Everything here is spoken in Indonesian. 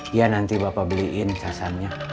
iya nanti bapak beliin casannya